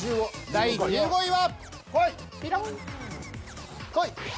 第１４位は。